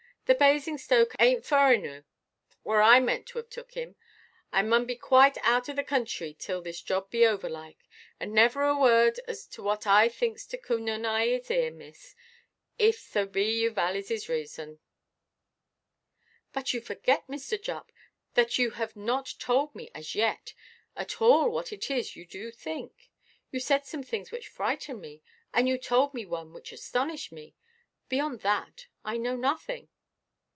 The Basingstoke ainʼt fur enoo, whur I meant to 'ave took him. 'A mun be quite out o' the kintry till this job be over like. And niver a word as to what I thinks to coom anigh his ear, miss, if so be you vallies his raison." "But you forget, Mr. Jupp, that you have not told me, as yet, at all what it is you do think. You said some things which frightened me, and you told me one which astonished me. Beyond that I know nothing."